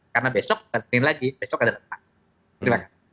karena besok hari ini lagi besok adalah saat